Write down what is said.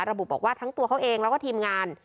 ระบุบอกว่าทั้งตัวเขาเองแล้วก็ทีมงาน